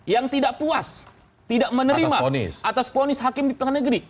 yang tidak puas tidak menerima atas ponis hakim di tengah negeri